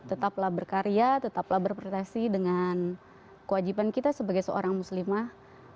tetaplah berkarya tetaplah berprestasi dengan kewajiban kita sebagai seorang muslimah